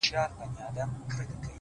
وخت د ژوند د پانګې نوم دی’